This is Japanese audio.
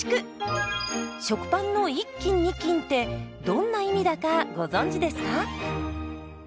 食パンの１斤２斤ってどんな意味だかご存じですか？